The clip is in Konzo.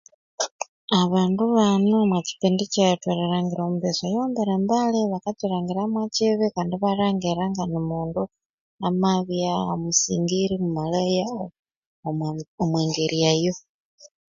Abandu bano omukimbi kyethu erilhangira omumbesa oghuwambere embali bakakilhangira mwakibi Kandi ibalhangira nganimundu amabya musingiri mumalaya Omo omungeri eyo